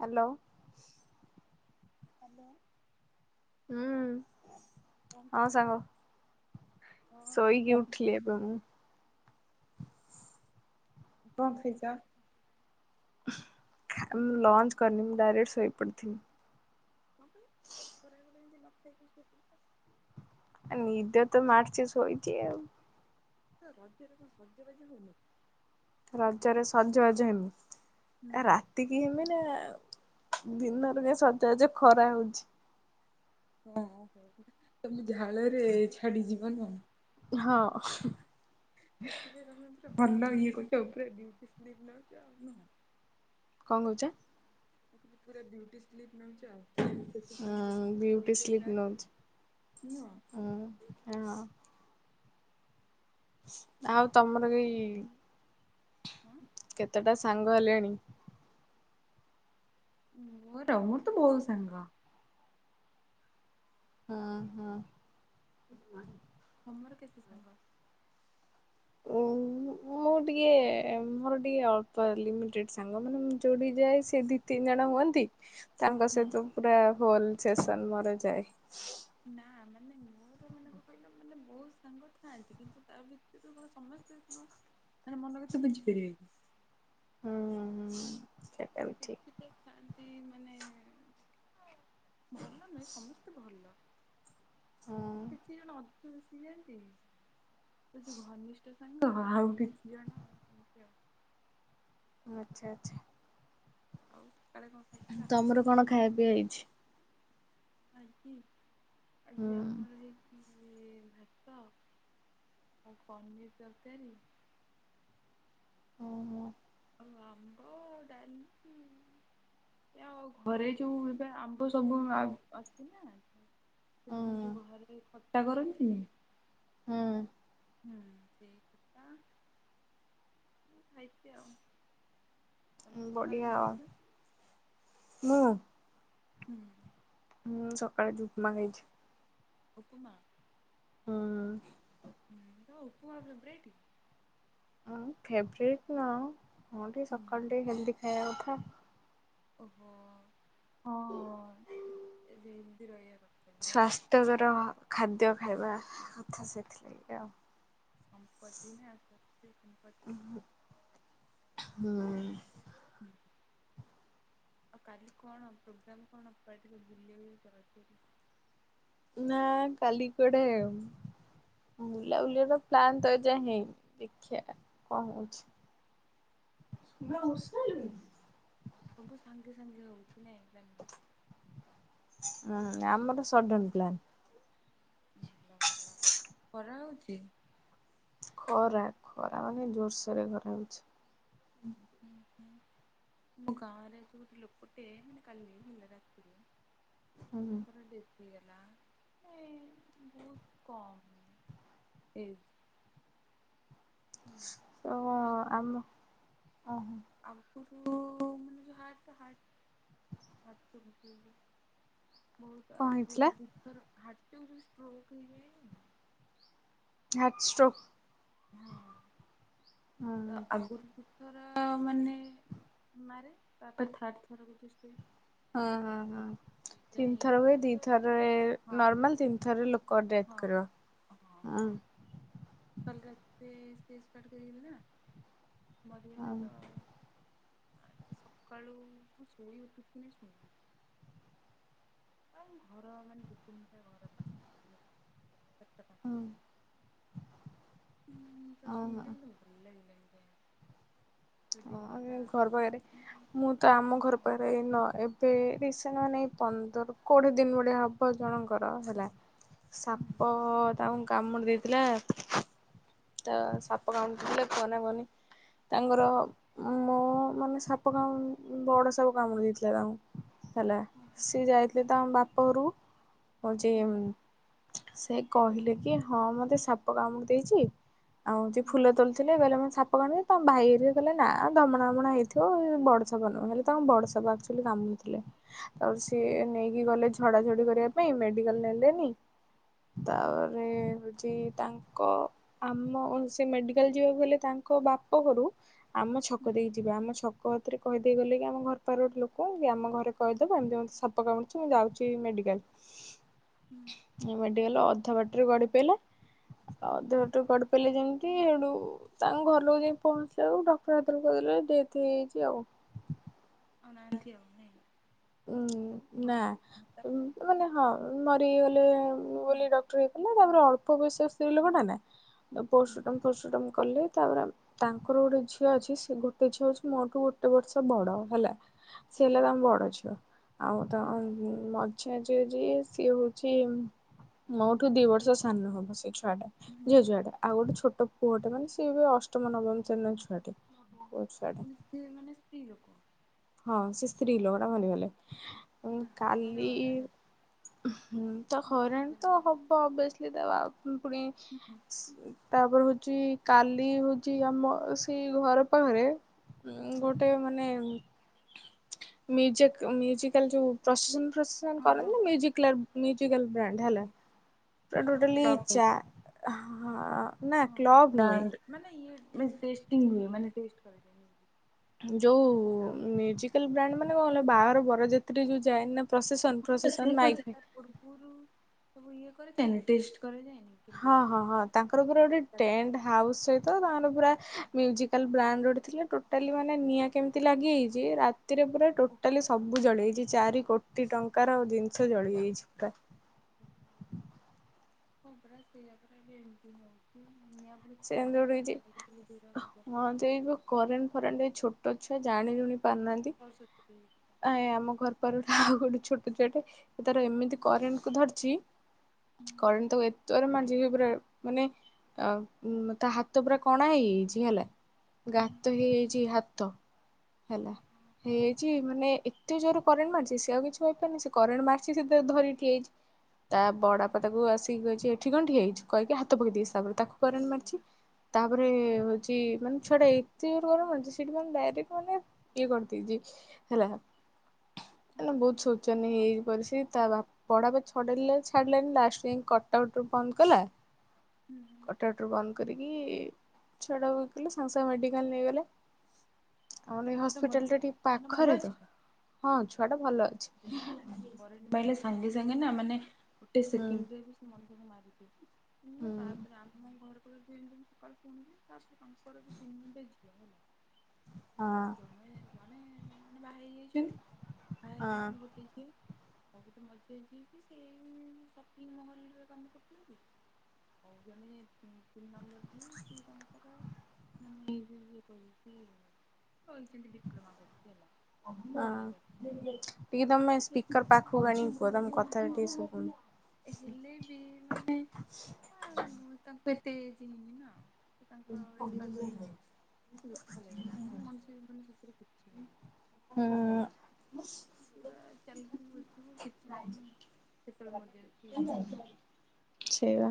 Hello. Hello. ହୁଁ। କଣ ହଁ କରୁଛ? ସାଙ୍ଗ ହଁ ସାଙ୍ଗ ଶୋଇକି କଣ ଉଠିଲି ଖାଇଛ? ଏବେ ମୁଁ। [unintelligible] ମୁଁ ଲଞ୍ଚ କରିନି ମୁଁ ଡାଇରେକ୍ଟ ଶୋଇ ପଡିଥିଲି। [inaudible] ନିଦ ତ ମାରଛି ଶୋଇଛି। ରଜରେ ଏ କଣ ସଜ୍ଜ ବାଜ ହଉନ? ରଜରେ ସଜବାଜ ହେମି ହୁଁ ଆ ରାତି କିି ହେମି ନା। ଦିନରୁ ଓହୋ କାଇଁ ପୁରା ସଜା ସଜ ଖରା ହଉଛି। ହଁ ହୋ ତମେ ଝାଳରେ ଛାଡିଯିବନ। ହଁ। ସେପାଇ କମେ ଭଲ ଇଏ କରୁଛ ଉପରେଉଛ ଆଉହଁ। କଣ କହୁଛ? ତ ପୁରା ଡୁଟି ସ୍ଲିପ୍ ନଉଛ ଆଉ। ସେଥିପାଇଁ ହଁ ଶୋଇ ବୁଟି ପଇଲା ସ୍ଲିପ ନଉଛି ନୁହଁ। ହଁ ହଁ। ଆଉ ତମର ଏଇ ହଁ କେତେଟା ସାଙ୍ଗ ହେଲେଣି? ମୋର ମୋର ତ ବହୁତ ସାଙ୍ଗ। ହଁ ହଁ। ତମର କେତେ ସାଙ୍ଗ? ଓ ମୁଁ ଟିକେ ମୋର ଟିକେ ଅଳ୍ପ ଲିମିଟେ ସାଙ୍ଗ ମାନେ ମୁଁ ଯୋଡି ଯାଏ ସେ ତିନି ଜଣ ହୁଅନ୍ତି ତାଙ୍କ ହୁଁ ସହିତ ପୁରା ହୋଲ ସେସନ ମୋର ଯାଏ। ନା ମାନେ ମୋର ମାନେଙ୍କୁ କହିଲ ମାନେ ବହୁତ ସାଙ୍ଗ ଥାଆନ୍ତି କିନ୍ତୁ ତା ସମସ୍ତ ମଲେ ମନ କଥା ବୁଞ୍ଚି ପାରିବେ କି ହୁଁ ହୁଁ। ସେଟା ତ ବି ଠିକ୍ କିଛି ତ ଖାନ୍ତି ମାନେ। ଭଲ ନୁହେଁ ସମସ୍ତେ ଭଲ ହୁଁ କିଛି ଜଣ ଅ [unintelligible] ଆସିି ଯାଆନ୍ତିନି। ସେ ଯୋଉ ଘନିଷ୍ଠ ସାଙ୍ଗ ଆଉ କିଛି ଜଣ ଏମିତି ଆଉ। ହଁ ଆଚ୍ଛା ଆଚ୍ଛା। ଆଉ କାଳେ କଣ। ଖାଇଥିଲା ତମର କଣ ଖାଇଆ ପିଇଆ ହେଇଛି? ଆଜି ହୁଁ ଆଜି ଆମର ହେଇ ହୁଁ ହୁଁ ଇଏ ଭାତ ଆଉ ପନିର ତରକାରୀ। ଓ [unintelligible] ଆଉ ଆମ୍ବ, ଡାଲି। ଏ ଆଉ ଘରେ ଯୋଉ ଏବେ ଆମ୍ବ ସବୁ ଆଉ ଅଛି ନା। ସେଥିପାଇଁ ହୁଁ ଯୋଉ ଘରେ ଖଟା କରନ୍ତିନି। ହୁଁ। ହୁଁ ସେଇ ଖଟା। ଖାଇଛି ଆଉ। ତମେ ଉଁ ସକାଳେ କଣ ବଢିଆ ଆଉ ଖାଇଥିଲ? ମୁଁ। ହୁଁ। ମୁଁ ସକାଳେ ଆଜି ଉପମା ଖାଇଛି। ଉପମା। ହୁଁ। ହୁଁ ତମ ଉପମା ଫେବରେଟ। ଅ ଫେବରେଟ ନୁହ ହଁ ଟିକେ ହୁଁ ସକାଳୁ ଟିକେ ହେଲ୍ଦି ଖାଇବା କଥା। ଓହୋ ହଁ ଏବେ ହେଲ୍ଡି ରହିବା କଥା। ବି ନାଇଁ ସ୍ଵାସ୍ଥ୍ୟକର ଖାଦ୍ୟ ଖାଇବା କଥା ସେଥିଲାଗି ଆଉ। ସମ୍ପତ୍ତି ନା ସ୍ୱାସ୍ଥ୍ୟ ସମ୍ପତ୍ତି। ହୁଁ ହୁଁ। ହୁଁ। ଆଉ କାଲି କଣ ପ୍ରୋଗ୍ରାମ କଣ କୁଆଡ଼େ ଟିକେ ବୁଲିବାକୁ ଯିବାର ଅଛି ବୋଧେ? ନାଁ କାଲି କୁଆଡେ଼। ବୁଲାବୁଲି ର ପ୍ଲାନ୍ ତ ଏ ଯାଏଁ ହେଇନି ଦେଖିବା କଣ ହଉଛି। ସବୁ ସାଙ୍ଗେ ସାଙ୍ଗେ ହଉଛି ନାଇ ତା ଅ ହଁ ଆମର ସଡନ ପ୍ଲାନ୍। ଉଁ ଭଲ ଭଲ। ଖରା ହଉଛି? ଖରା ଖରା ମାନେ ଜୋରସୋରରେ ଖରା ହଉଛି। ହୁଁ ହୁଁ। ଆମ ଗାଁରେ ଏଠି ଗୋଟେ ଲୋକ ଟେ ମାନେ କାଲି ହେଲା ରାତିରେ ହୁଁ ତାଙ୍କର ଡେ ହେଇଗଲା [unintelligible] ବହୁତ୍ କମ୍ ଏଜ୍। ହେଲା। ତ କଣ ମାନେ ଆଗ ଆମ। ଓହୋ ଆଗରୁ ମାନେ ଯୋଉ ହାଟ ହାଟ। ହାଟ ଚୋକ [unintelligible] ବହୁତ କଣ ହେଇଥିଲା ଆଗରୁ ଦି ଥର ହାର୍ଟ ଚୋକ ଯୋଉ ଷ୍ଟ୍ରୋକ୍ ହେଇଯାଏନି। Heart stroke. ହଁ ତ ହୁଁ ଆଗରୁ ଦି ଥର ମାନେ ମାରେ ତାପରେ ଥାର୍ଡ଼ ଥରକୁ [inaudible] ହଁ ହଁ ହଁ। ଏଇଟା ତିନିଥର ହୁଏ ହେଇଥିଲା ତ ଦିଥରରେ ହଁ ନର୍ମାଲ ତିନି ଥରରେ ଲୋକ ଡେଥ ହଁ। କରିବ। ହଁ ହୁଁ। ହଁ। କାଲି ରାତି ସେ ଏକ୍ସପାଟ କରିଗଲେ ନା ହଁ ମରିଗଲେ ତ। ଏଇ ସକାଳୁ ମୁଁ ଶୋଇ ଉଠୁଥୁନେ [unintelligible] ଆଉ ଘର ମାନେ ଦିଇ ତିନଟା ଘର ପାଖା [inaudible] ସାତଟା। ହଁ। ହଁ ମୁଁ ତ ହଁ ହଁ। ଶୁଣିଲି ମତେ ଭଲ ଲାଗିଲାନି କାଇଁ। ସେ ହଁ ଦିନଟା ଏ ଘର ପାଖରେ ମାନେ ମୁଁ ତ ଆମ ହଁ ଘର ପାଖରେ ଏ ନ ଏ ବେ ରିସେଣ୍ଟ ମାନେ ଏଇ ପନ୍ଦର କୋଡ଼ିଏ ଦିନ ଭଳିଆ ହ ବ ଜଣଙ୍କର ହେଲା ହୁଁ ସାପ ତାଙ୍କୁ କାମୁଡ଼ି ଦେଇଥିଲା ତ ସାପ କାମୁଡ଼ି ଦେଇଥିଲା କୁହନା କୁହନି ତାଙ୍କର ମୋ ମାନେ ସାପ କାମୁ ଉଁ ବଡ଼ ସାପ କାମୁଡ଼ି ଦେଇଥିଲା ତାଙ୍କୁ ହେଲା ଓହୋ ସିଏ ଯାଇଥିଲେ ତାଙ୍କ ବାପ ଘରକୁ ହୋଉଚି ହୁଁ ସେ କହିଲେ କି ହଁ ମତେ ସାପ କାମୁଡ଼ି ଦେଇଚି ଆଉ ଯିଏ ହୁଁ ଫୁଲ ତୋଳୁଥିଲେ କହିଲେ ମତେ ସାପ କାମୁଡ଼ି ଦେଇଚି ତାଙ୍କ ଭାଇ ହେରିକା କହିଲେ ନା ଧମଣା ଫମଣା ହେଇଥିବ ବଡ଼ ଡ ସାପ ନୁହଁ ହୁଁ ହେଲେ ହୁଁ ତାଙ୍କୁ ବଡ଼ ସାପ ଆକ୍ଚୁଲି କାମୁଡ଼ିଥିଲେ ତାପରେ ସିଏ ଓହୋ ନେଇକି ଗଲେ ଝଡ଼ା ଝଡ଼ି କରିବା ପାଇଁ ମେଡ଼ିକାଲ ନେଲେନି ହୁଁ ତାପରେ ହୋଉଚି ତାଙ୍କ ଆମ ସେ ମେଡ଼ିକାଲ ଯିବାକୁ ଗଲେ ତାଙ୍କ ବାପ ଘରୁ ଆମ ହୁଁ ଛକ ଦେଇକି ଯିବେ ଆମ ଛ କତିରେ କହିଦେଇ ଗଲେ କି ଆମ ଘର ପାଖରେ ଗୋଟେ ଲୋକ କି ଆମ ଘରେ କହିଦେବ ଏମିତି ମତେ ସାପ କାମୁଡ଼ିଚି ମୁଁ ଯାଉଚି ମେଡ଼ିକାଲ [inaudible] ମେଡ଼ିକାଲ ଅଧା ବାଟରେ ଗଡ଼ି ପଇଲେ ଅଧା ହୁଁ ବାଟରେ ହୁଁ ଗଡିି଼ ପଇଲେ ଯେମତି ହେଟୁ ତାଙ୍କ ଘର ଲୋକ ଯାଇକି ପହଞ୍ଚିଲା ବେଳକୁ ଡକ୍ଟର ହେତଳୋକୁ କହିଦେଲେ ଡେଥ ହେଇଯାଇଚି ଆଉ। ଆଉ ନାହାଁନ୍ତି ଆଉ ନାଇଁ? ଉଁ ହଁ ନା ହଁ ମାନେ ଉଁ ହଁ ମରିଗଲେ ବୋଲି ହୁଁ ଡକ୍ ଟର୍ ଇଏ କଲେ ତାପରେ ଅଳ୍ପ ବୟସ ସ୍ତ୍ରୀ ଲୋକଟାନା ତ ହୁଁ ପୋଷ୍ଟମର୍ଟମ ଫୋଷ୍ଟମର୍ଟମ କଲେ ତାପରେ ଆମ ତାଙ୍କର ଗୋଟେ ଝିଅ ଅଛି ସେ ଗୋଟେ ଝିଅ ଅଛି ମୋଠୁ ଗୋଟେ ବର୍ଷ ବଡ଼ ହେଲା। ସିଏ ହୁଁ ହେଲା ତାଙ୍କ ବଡ଼ ଝିଅ ଆଉ ହୁଁ ତାଙ୍କ ଉଁ ମଝିଆ ଝିଅ ଯିଏ ସିଏ ହୋଉ ଚି ମୋଠୁ ଦି ବର୍ଷ ସାନ ହବ ସେଇ ଛୁଆଟା ହୁଁ ହୁଁ ଝିଅ ଛୁଆଟା ଆଉ ଗୋଟେ ଛୋଟ ପୁଅଟେ ମାନେ ସିଏ ଏବେ ଅଷ୍ଟମ ନବମ ଶ୍ରେଣୀର ଛୁଆଟେ ପୁଅ ଛୁଆ ପୁଣି ସିଏ ମାନେ ସ୍ତ୍ରୀ ଲୋକ? ହଁ ସେ ସ୍ତ୍ରୀ ଲୋକଟା ମରିଗଲେ ଅଁ ଭାରି କାଲି ହଇରାଣ ହେବେ ଉଁହୁଁ ତ ହଇରାଣ ତ ହବ ଅଭିଅସଲି ତା ବା ପୁଣି ହୁଁଉଁ। ସ୍ ତାପରେ ହୋଉଚି କାଲି ହୋଉଚି ଆମ ସେଇ ଘର ପାଖରେ ଉଁ ଗୋଟେ ମାନେ ମ୍ୟୁଜିକ୍ ମ୍ୟୁଜିକାଲ୍ ଯୋଉ ପ୍ରସେସନ ଫ୍ରସେସନ୍ କରନ୍ତି ନା ମୁଜିକ୍ଲାର ମ୍ୟୁଜିକାଲ୍ ବ୍ରାଣ୍ଡ ହେଲା ପୁରା ଟୋଟାଲି ଚା ହଁଅ ହଁ ବ୍ରାଣ୍ଡ ମାନେ ଇଏ ମାନେ ଟେଷ୍ଟିଙ୍ଗ୍ ହୁଏ ମାନେ ଟେଷ୍ଟ କରାଯାଏ। ଯୋଉ ଇଏ ତ। ହଁ ମ୍ୟୁଜିକାଲ ବ୍ରାଣ୍ଡ ମାନେ କଣ କହିଲ ବାହାଘର ବର ଯାତ୍ରୀରେ ଯୋଉ ଯାଏ ନା ପ୍ରସେସନ ପ୍ରସେସନ ମାଇକ୍ ଫାଇ ପୂର୍ବୁରୁ ସବୁ ଇଏ କରାଯାଏନି ଟେଷ୍ଟ କରାଯାଏନି? କେମିତି ହଁ ହଁ ବାଜିଛି ହଁ କଣ ତାଙ୍କର ପୁରା ଗୋଟେ କରିଛି। ଟେଣ୍ଟ୍ ହାଉସ୍ ସହିତ ତାଙ୍କର ପୁରା ମ୍ୟୁଜିକାଲ ବ୍ରାଣ୍ଡ ଗୋଟେ ଥିଲା ଟୋଟାଲି ମାନେ ନିଆଁ କେମତି ଲାଗିଯାଇଚି ରା ରାତିରେ ପୁରା ଟୋଟାଲି ସବୁ ଜଳିଯାଇଚି ଚାରି କୋଟି ଟଙ୍କାର ଜିନିଷ ଜଳିଯାଇଚି ପୁରା। ହଁ ପରା ସେଇଆ ପରା ଏବେ ଏମତି ହିଁ ହୋଉଚି ନିଆଁ ପୁଣି ଖରା ସେମିତି ଗୋଟେ ଦିନରେ ହେଇଛି ନିଆଁ ଲାଗିଲେ ଲିଭେଇବା ଭାରି କଷ୍ଟ। [unintelligible] କରେଣ୍ଟ ଫରେଣ୍ଟ ଏଇ ଛୋଟ ଛୁଆ ଜାଣି ଜୁଣି ପାରିନାହାନ୍ତି। ଅର୍ ସେତିକି ଆ ଏଇ ଆମ ଘର ପାଖରେ ଆଉ ଗୋଟେ ଛୋଟ ଛୁଆଟେ ସେ ତାର ଏମିତି କରେଣ୍ଟ କୁ ଧରଚି କରେଣ୍ଟ ତାକୁ ଏତେ ଜୋରରେ ମାରଚି ଯେ ପୁରା ମାନେ ଅ ଉଁ ତା ହାତ ପୁରା କଣା ହେଇଯାଇଚି ହେଲା ଗାତ ହେଇଯାଇଚି ହାତ ହେଲା ହେଇଯାଇଚି କି ମାନେ ଏତେ ଜୋରେ କରେଣ୍ଟ ମାରିଛି ସେ ଆଉ କିଛି କହିପାରନି ସେ କରେଣ୍ଟ ମାରିଛି ସେ ତାର ଧରିକି ଠିଆ ହେଇଛି। ତା ବଡ଼ବାପା ତାକୁ ଆସିକି କହିଛି ଏଠିି କଣ ଠିଆ ହେଇଛୁ କହିକି ହାତ ପକେଇ ଦେଇଛି ତା ଉପରେ ତାକୁ କରେଣ୍ଟ ଓହୋ। ମାରିଛି ତାପରେ ହଉଛି ମାନେ ଛୁଆଟା ଏତେ [unintelligible] କରୁନାହାନ୍ତି ସେଠି ମାନେ ଡାଇରେକ୍ଟ ମାନେ ଇଏ କରି ଦେଇଚି ହେଲା କାନା ଓହୋ। ବହୁତ ଶୌଚନ ହେଇ ପାରସୀ ତା ବା ପଢା ପ ଛଡ ଛାଡିଲାନି ଲାଷ୍ଟ ଯ କଟାଟ ବନ୍ଦ କଲା। ହୁଁ। କଟାଉଟ ବନ୍ଦ କରିକି ଛୁଆଟାକୁ ଇଏ କଲେ ସାଙ୍ଗେ ସାଙ୍ଗେ ମେଡ଼ିକାଲ ନେଇଗଲେ। ଆଉ ନେଇ ସେଟା ହସ୍ପିଟାଲଟା ମରିଚି ଟିକେ ମାନେ ଭଲ ପାଖରେ ତ ଅଛି? ହଁ ଛୁଆଟା ଭଲ ଅଛି। କରେଣ୍ଟ ମାଇଲେ ସାଙ୍ଗେ ସାଙ୍ଗେ ନା ମାନେ ଗୋଟେ ହୁଁ ସେକେଣ୍ଡରେ ବି ମଣିଷକୁ ମାରିଛିି ଶୁଣୁନ ହୁଁ ତାପରେ ଆମ ଆ ଘରକୁ ଦିନ ସକାଳେ ପୁଣିବି ତାପରେ ତାଙ୍କର ବି ତିନିଟା [unintelligible] ହଁ। ମାନେ ବାହା ହେଇଯାଇଛନ୍ତି ବା ହଁ ହେଇ [unintelligible] [unintelligible] ମରି ଯାଇଛିି ସେଇ ସପିଙ୍ଗ ମହଲରେ କାମ କରୁଛନ୍ତି। ହଉ ଜଣେ ତିନି ନମ୍ବର ଜିଏ ସିଏ ତାଙ୍କର [unintelligible] କରିଛନ୍ତି ଡିପ୍ଲୋମା କରିଛି ହେଲା। ବାହାରେ। ହଁ ଟିକେ ତମେ ସ୍ପିକର ପାଖକୁ ଆଣିକି କୁହ ତମ କ ହଁ ହେଲେ ସିଏ ମାନେ ଆ ତାଙ୍କୁ ଏତେ ଚିହ୍ନିନି ନା। ସେ ତାଙ୍କ ଇସପାୟାର କରିଗଲେ ଦୁଃଖ ଲାଗିଲା ମାନେ ମଣିଷ ଜୀବନ ସତରେ କିଛି ନାହିଁ। ହୁଁ। ପୁରା ଚାଲିକି ବସିବୁ କିଛି ନାହିଁ ସେତେବେଳେ ମଛି ଇଏ କରିଛି। ସେଇବା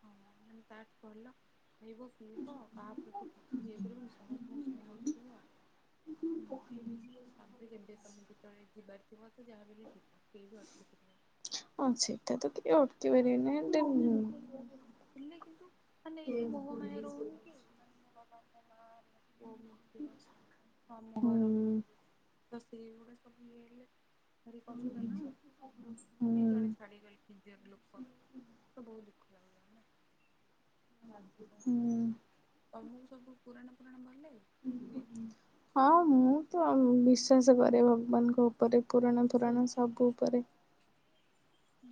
ହଁ ମାନେ ତାଠୁ ଭଲ ଖାଇବ ପିଇବା କାହା ପ୍ରତି କିଛି ଇଏ କରିବନି ସମସ୍ତଙ୍କୁ ସ୍ନେହ କରିବ। ହୁଁ ତାପରେ ଯେମିତି ତମେ ଯେତେବେଳେ ଯିବାର ଯିବ ତ ଯାହାହେଲେ ବି ଯିବ [unintelligible] ଅଁ ସେଟ ତ କିଏ ଅଟକେଇ ପାରିବେନି ଦେନ ଥିଲେ କିନ୍ତୁ ମାନେ ଏଇ ଯୋଉ ମୋହ ମୟା ରହୁନି କି ଓ ମଧ୍ୟ ମାମୁଁ ଘର [unintelligible] ହୁଁ ତ ସେଇ ଗୁଡା ସବୁ ଇଏ ହେଲେ ଭରି କଷ୍ଟ ନା କେଜଣେ ଛାଡ଼ି ଗଲେ ନିଜର୍ ଲୋକ ତ ବହୁତ ଦୁଖ ଲାଗେ। ହୁଁ। ତମକୁ ସବୁ ପୁରାଣ ଫୁରାଣ ଭଲ ଲାଗେ ଇଏ ହଁ ମୁଁ ତ ବିଶ୍ଵାସ କରେ ଭଗବାନଙ୍କ ଉପରେ ପୁରାଣା ଫୁରାଣ ସବୁ ଉପରେ। ହୁଁ।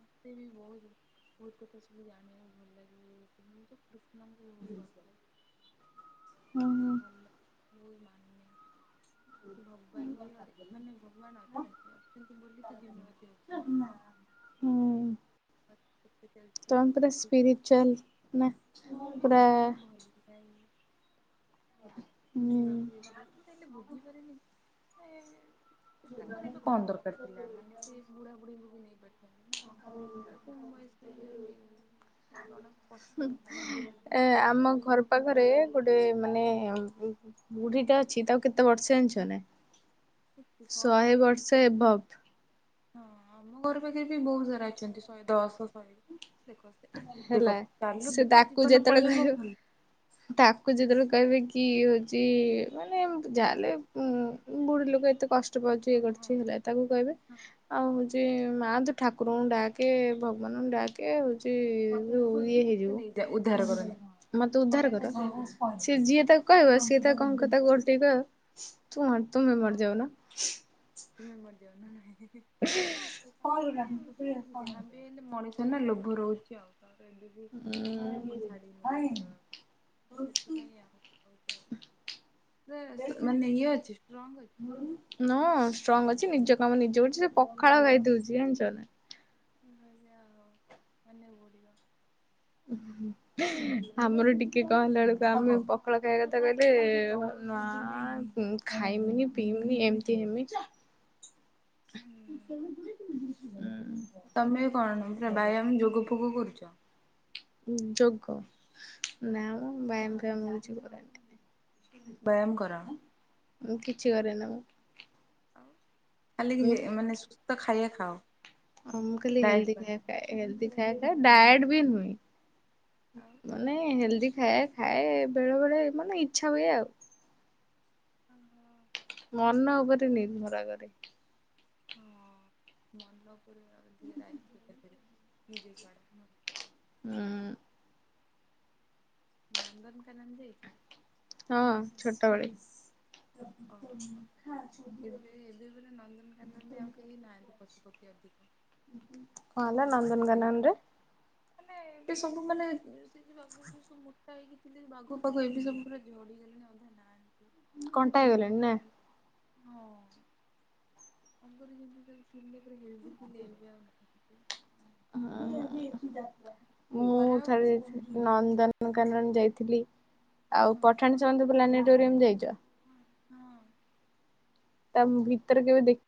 ମତେ ବି ବହୁତ ବହୁତ କଥା ସବୁ ଜାଣିବାକୁ ଭଲ ଲାଗେ ମୁଁ ତ କୃଷ୍ଣଙ୍କୁ ବହୁତ ଭଲ ପାଏ। [unintelligible] ହୁଁ ବହୁତ ଭଲ ଲାଗେ ବହୁତ ମାନେ ଭଗବାନ ବି [unintelligible] ମାନେ ଭଗବାନ ଅଛନ୍ତି ଅଛନ୍ତି ବୋଲି ତ ଦିନରାତି ହଉଛି ନା। ହୁଁ। [unintelligible] ତମେ ପୁରା ସ୍ପିରିିଚୁଆଲ ନା ହଁ ମତେ ବହୁତ ପୁରା ଭଲ ଲାଗେ ହୁଁ [unintelligible] ମୁଁ ତାହଲେ ବୁଝିପାରେନି ଆଏ ସେ ତାଙ୍କର ଏବେ କଣ ଦରକାର ଥିଲା ମାନେ ସେ ବୁଢା ବୁଢ଼ୀଙ୍କୁ ବି ନେଇ ପାରିଥାନ୍ତି ନା। କମ ବୟସ ଇଏରୁ ନେଇଗଲେ ଜଣକୁ କଷ୍ଟ ହବ ନା। ଏ ତାଙ୍କ ଆମ ସହିତ ଘର ପାଖ ରେ ଗୋଟେ ମାନେ ଉଁ ବୁଢୀଟା ଅଛି ତାକୁ କେତେ ବର୍ଷେ ଜାଣିଛ ନା? ଶହେ ବର୍ଷ ଏବଭବ। ହଁ ଆମ ଘର ପାଖରେ ବି ବହୁତ ସାରା ଅଛନ୍ତି ଶହେ ଦଶ ଶହେ ଦେଖ ଦେଖ ହେଲା ସେ ଚାଲୁଥିବ ତାକୁ ଜୀବନ ଯେତେବେଳେ ପଳେଇବ କହିବ ଭଲ ତାକୁ ଯେତେବେଳେ କହିବେ କି ହଉଛି ମାନେ ଯାହାଲେ ଉ ବୁଢୀ ଲୋକ ଏତେ କଷ୍ଟ ଟ ପାଉଛି ଇ ହଁ ହଁ କରୁଛି ହେଲେ ତାକୁ କହିବେ ହଁ ଆଉ ହଉଛି ମା ତ ଠାକୁରଙ୍କୁ ଡାକେ ଭଗବାନଙ୍କୁ ଡାକେ ହଉ। ସେ ଇଏ ସେ ନେଇଯା ଉଦ୍ଧାର କରନ୍ତି ହଁ ହେଇଯିବ। ମତେ ଉଦ୍ଧାର କର। ସିଏ ଯିଏ ତାକୁ କହିବ ସିଏ ତା କ କ ତାକୁ ଗୋ ଟ କହିବ। ତୁ ତୁମେ ମରଯାଉନା। ତୁମେ ମରି ଯାଉନ ହଁ ମାନେ ଯାହା ବି ମଣିଷ ନା ଲୋଭ ରହୁଛି ଆଉ। ତ ଏବେ ବି ଲୋଭ ଛାଡିନି ନିଜ ସେଥିପାଇଁ ଆ ମାନେ ଇଏ ଅଛି। ରଙ୍ଗ ହଁ ଷ୍ଟ୍ରଙ୍ଗ ଅଛି ନିଜ କାମ ନିଜ କରଛି ସେ ପଖାଳ ଖାଇଦଉଛି ଜାଣିଛ ନା। ଭଜା ହଉ ଧନ୍ୟ ଗୁଡ଼ିବା ହଁ। [unintelligible] ଆମର ଟିକେ କହିଲା ବେଳକୁ ଆମେ ପଖାଳ ଖାଇବା କଥା କହିଲେ ନା। ଖାଇମିନି ପିଇମିନି ଏମିତି ଏମିତି ହୁଁ [unintelligible] ତମେ କଣ ପ୍ରା ବ୍ୟାୟାମ ଯୋଗ ଫୋଗ କରୁଛ। ଯୋଗ ନା ମୁଁ ବୟାମ ଫୟମ ହେଉଛି କରେନି। ବ୍ୟାୟାମ କର। ମୁଁ କିଛି କରେ ନା ମୁଁ। ଆଉ ଖାଲି ମାନେ ସୁସ୍ଥ ଖାଇବା ଖାଅ ଡାଏଟ୍ ପାଇଁ। ହେଲଦୀ ଖାଇ ଡାଏଟ ବି ନୁହେଁ। ଆଉ। ମାନେ ହେଲ୍ଦି ଖାଏ ଖାଏ ବେଳେ ବେଳେ ମାନେ ଇଚ୍ଛା ହୁଏ ଆଉ। ଓହରି। ମନ ଉପରେ ନିର୍ଭର କରେ। ହଁ ମନ ନ ଉପରୁି ପଖାର କରିରି ଜେଛି ମ୍ୟାଡ଼ର ହୁଁ। ନନ୍ଦନକାନନ ଯାଇଛ? ହଁ ଛୋଟବେଳେ। ଓହ। ଏବେ ଏବେ ବୋଲେ ନନ୍ଦନକାନନୀ ଆଉ କେହି ନାହାଁନ୍ତି ପଶୁପକ୍ଷୀ ଅଧିକ। ସବୁ କଣିଲ ମରି ନନ୍ଦନ ହଜିବେ ଗନନି। ମାନେ ଏବେ ସବୁ ମାନେ ମୋଟା ହେଇକି ଥିଲି ବାଘ ପାଖ ଏ ବି ସବୁୁର ଝଡିଗଲେଣି ଅଧା ନାହାନ୍ତି। କଣ୍ଟା ହେଇଗଲାଣି େ ନା? କ ହଁ ତାଗର ଯେମିତି ଥିଲେ। ହଳଛି ଲେବଆ ହଁ ମୁଁ ଖରା ଥରେ ହଉଛି ଯାଇଥିଲ। ନନ୍ଦନକାନନ ଯାଇଥିଲି ଆଉ ହଁ ପଠାଣି ସାମନ୍ତ ପ୍ଲାନେଟୋରିୟମ ଯାଇଛ। ହଁ। ତା ଭିତରେ କେବେ ଦେଖ।